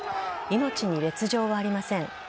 命に別状はありません。